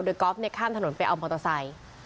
โดยก๊อฟข้ามถนนไปเอามอเตอร์ไซค์